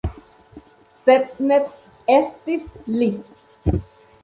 Sed, ne estis li.